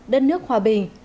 đất nước hòa bình